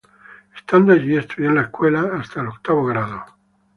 Estando allí, estudió en la escuela católica hasta el octavo grado.